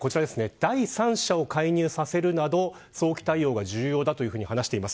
第三者を介入させるなど早期対応が重要だと話しています。